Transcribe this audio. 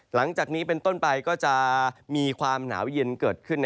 หลังจากนี้เป็นต้นไปก็จะมีความหนาวเย็นเกิดขึ้น